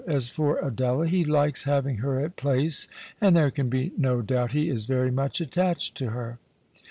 As for Adela, he likes having her at Place, and there can be no doubt he is very much attached to her."